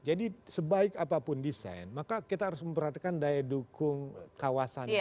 jadi sebaik apapun desain maka kita harus memperhatikan daya dukung kawasan